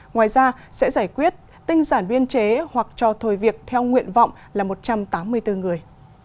ngoài ra sẽ giải quyết tinh giản biên chế hoặc cho thôi việc theo nguyện vọng là một trăm tám mươi bốn người